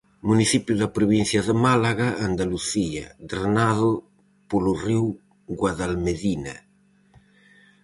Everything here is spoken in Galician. Municipio da provincia de Málaga, Andalucía, drenado polo río Guadalmedina.